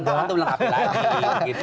antumah belum lengkapi lagi